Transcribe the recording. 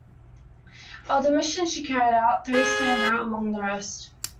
Of the missions she carried out, three stand out among the rest.